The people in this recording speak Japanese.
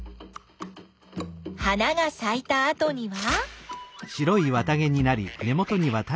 花がさいたあとには？